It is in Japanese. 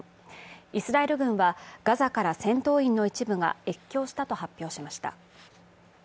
イスラエル軍はガザから戦闘員の一部が越境したと発表しました。